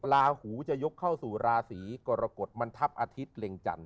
ลาหูจะยกเข้าสู่ราศีกรกฎมันทัพอาทิตย์เล็งจันท